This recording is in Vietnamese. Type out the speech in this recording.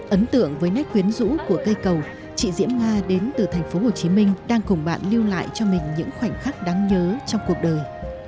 ấn tượng với nét quyến rũ của cây cầu chị diễm hoa đến từ thành phố hồ chí minh đang cùng bạn lưu lại cho mình những khoảnh khắc đáng nhớ trong cuộc đời